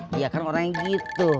dia kan orang yang begitu